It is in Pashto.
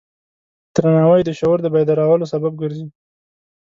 درناوی د شعور د بیدارولو سبب ګرځي.